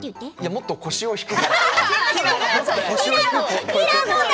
もっと腰を低く。